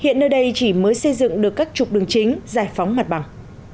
hiện nơi đây chỉ mới xây dựng được các trục đường chính giải phóng mặt bằng